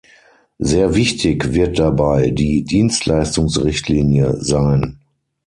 Sehr wichtig wird dabei die Dienstleistungsrichtlinie sein.